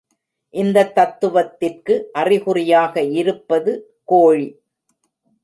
இந்தத் தத்துவத்திற்கு அறிகுறியாக இருப்பது கோழி.